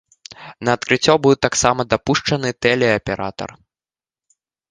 На адкрыццё быў таксама дапушчаны тэлеаператар.